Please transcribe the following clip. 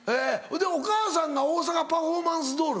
お母さんが大阪パフォーマンスドール？